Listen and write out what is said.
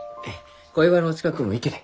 小岩の近くの池で。